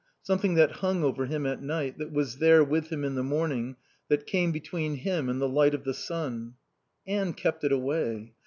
Something that hung over him at night, that was there with him in the morning, that came between him and the light of the sun. Anne kept it away.